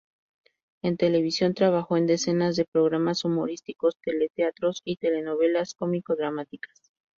En televisión trabajó en decenas de programas humorísticos, teleteatros y telenovelas cómico-dramáticas.